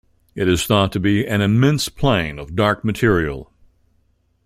It is thought to be an immense plain of dark material.